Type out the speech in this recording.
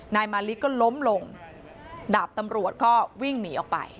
นายมาริก็ล้มลงดาบตำรวจก็วิ่งหนีออกไป